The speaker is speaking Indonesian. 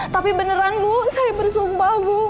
tapi beneran bu saya bersumpah bu